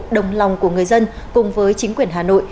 đồng lòng của người dân cùng với chính quyền hà nội